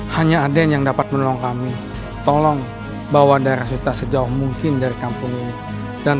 hanya ada yang dapat menolong kami tolong bawa darah kita sejauh mungkin dari kampung ini dan